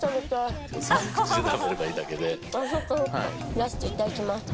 ラストいただきます。